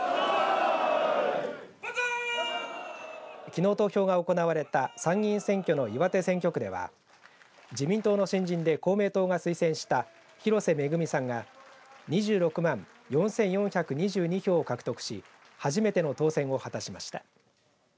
きのう投票が行われた参議院選挙の岩手選挙区では自民党の新人で公明党が推薦した広瀬めぐみさんが２６万４４２２票を獲得し初めての当選を果たしました。